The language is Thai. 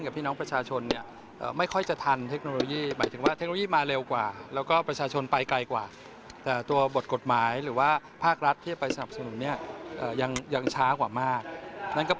กับพี่น้องประชาชน